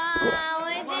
おいしい。